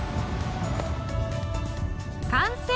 完成！